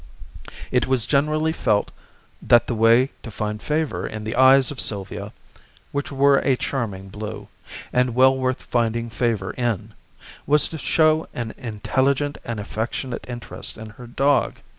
It was generally felt that the way to find favour in the eyes of Sylvia which were a charming blue, and well worth finding favour in was to show an intelligent and affectionate interest in her dog.